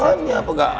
sebuahnya apa enggak